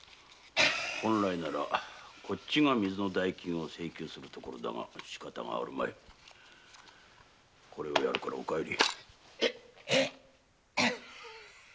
本来ならこっちが水の代金を請求するところだがしかたがないこれをやるからお帰り。